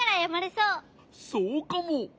そうかも。